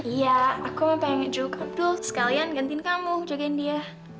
iya aku mau pengen ngejok abdul sekalian gantiin kamu jagain dia